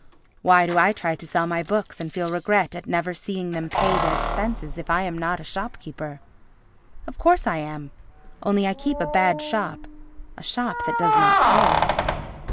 Why do I try to sell my books and feel regret at never seeing them pay their expenses if I am not a shopkeeper? Of course I am, only I keep a bad shop—a shop that does not pay.